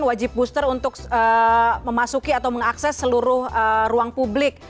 wajib booster untuk memasuki atau mengakses seluruh ruang publik